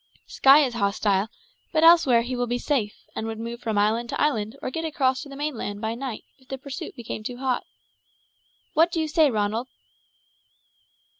Skye is hostile, but elsewhere he will be safe, and would move from island to island or get across to the mainland by night if the pursuit became too hot. What do you say, Ronald?"